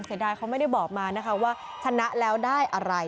เสียดายเขาไม่ได้บอกมานะคะว่าชนะแล้วได้อะไร